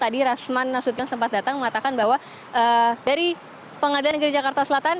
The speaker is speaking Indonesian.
tadi rasman nasution sempat datang mengatakan bahwa dari pengadilan negeri jakarta selatan